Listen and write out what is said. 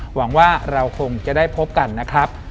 หวังว่าเราคงจะได้พบกันนะครับ